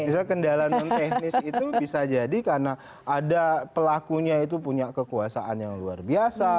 misalnya kendala non teknis itu bisa jadi karena ada pelakunya itu punya kekuasaan yang luar biasa